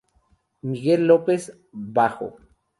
Miguel López: bajo.